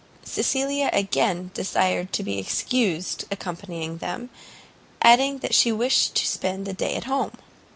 Cecilia again desired to be excused accompanying them, adding that she wished to spend the day at home.